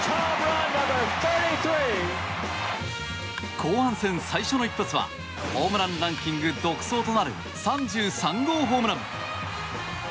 後半戦最初の一発はホームランランキング独走となる３３号ホームラン。